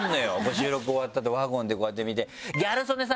収録終わった後ワゴンでこうやって来て。